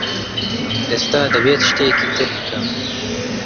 ئێستا دەبێت شتێکی تر بکەم.